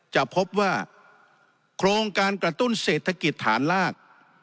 จะพบว่าโครงการกระตุ้นเศรษฐกิจฐานลาก